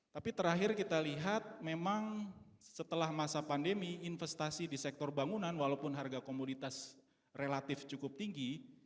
tapi terakhir kita lihat memang setelah masa pandemi investasi di sektor bangunan walaupun harga komoditas relatif cukup tinggi